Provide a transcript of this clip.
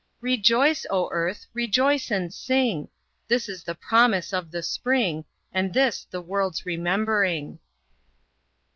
Rejoice, O Earth! Rejoice and sing! This is the promise of the Spring, And this the world's remembering.